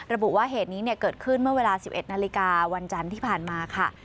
ระบุว่าเหตุนี้เกิดขึ้นเมื่อเวลา๑๑นาฬิกาวันจันทร์ที่ผ่านมาค่ะ